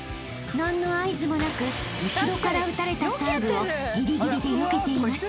［何の合図もなく後ろから打たれたサーブをギリギリでよけています。